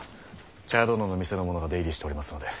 茶屋殿の店の者が出入りしておりますので。